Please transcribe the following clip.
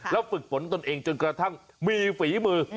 แล้วฝึกฝนตนเองจนกระทั่งมีฝีมือ